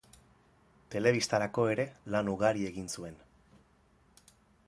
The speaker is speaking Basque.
Telebistarako ere lan ugari egin zuen.